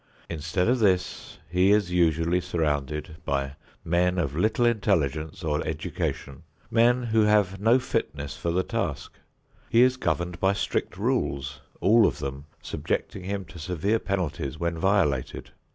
Instead of this, he is usually surrounded by men of little intelligence or education, men who have no fitness for the task; he is governed by strict rules, all of them subjecting him to severe penalties when violated.